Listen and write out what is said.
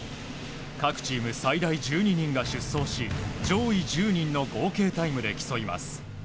各チーム最大１２人が出走し上位１０人の合計タイムで競います。